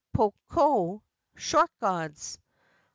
poko (short gods).